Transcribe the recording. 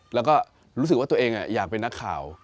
แล้วก็รู้สึกว่าตัวเองอยากเป็นนักข่าว